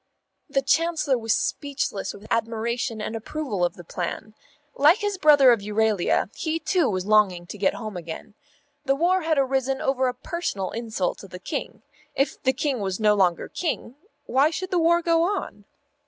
The Chancellor was speechless with admiration and approval of the plan. Like his brother of Euralia, he too was longing to get home again. The war had arisen over a personal insult to the King. If the King was no longer King, why should the war go on?